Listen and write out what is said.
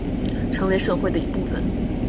成为社会的一部分